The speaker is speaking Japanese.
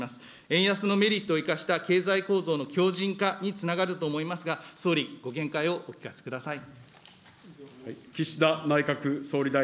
円安のメリットを生かした経済構造の強じん化につながると思いますが、総理、ご見解をお聞かせください。